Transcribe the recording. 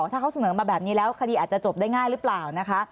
ถ้าเขาเสนอมาแบบนี้แล้วคดีอาจจะจบได้ง่ายหรือเปล่านะคะ